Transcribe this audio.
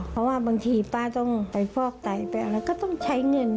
เพราะว่าบางทีป้าต้องไปฟอกไตไปอะไรก็ต้องใช้เงิน